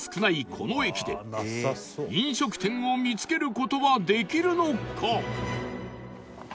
この駅で飲食店を見つける事はできるのか？